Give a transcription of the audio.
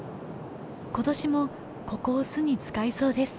今年もここを巣に使いそうです。